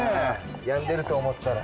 やんでると思ったら。